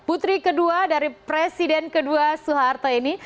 putri kedua dari presiden kedua soeharto ini